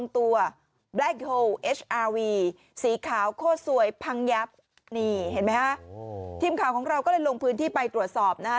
ทีมข่าวของเราก็เลยลงพื้นที่ไปตรวจสอบนะฮะ